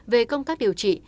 về công tác điều trị